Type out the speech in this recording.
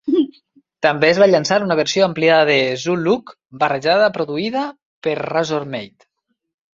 També es va llançar una versió ampliada de "Zoolook" barrejada, produïda per Razormaid!